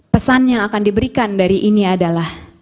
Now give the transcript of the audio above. pesan yang akan diberikan dari ini adalah